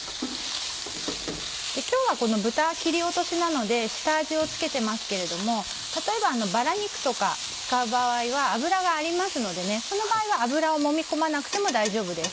今日はこの豚切り落としなので下味を付けてますけれども例えばバラ肉とか使う場合は脂がありますのでその場合は油をもみ込まなくても大丈夫です。